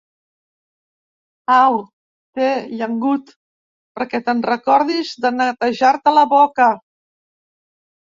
Au, té, llengut, perquè te'n recordis de netejar-te la boca!